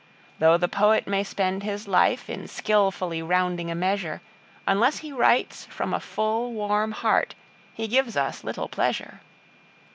Though the poet may spend his life in skilfully rounding a measure, Unless he writes from a full, warm heart he gives us little pleasure.